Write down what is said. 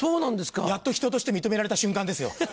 やっと人として認められた瞬間ですよ。